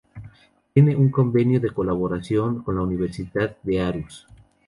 Tiene un convenio de colaboración con la Universidad de Aarhus.